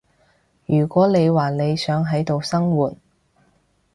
如果你話你想喺度生活